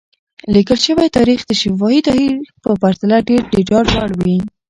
لیکل شوی تاریخ د شفاهي تاریخ په پرتله ډېر د ډاډ وړ وي.